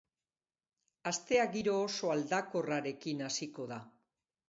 Astea giro oso aldakorrarekin hasiko da.